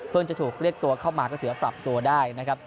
จะถูกเรียกตัวเข้ามาก็ถือว่าปรับตัวได้นะครับ